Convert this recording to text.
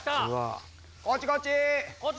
こっちこっち！